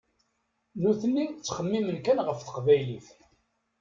Nutni ttxemmimen kan ɣef teqbaylit.